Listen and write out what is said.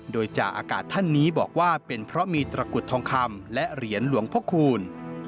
โดยจ่าอากาศท่านนี้บอกว่าเป็นเพราะมีตระกุดทองคำและเหรียญหลวงพระคูณ